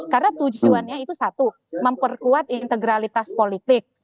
karena tujuannya itu satu memperkuat integralitas politik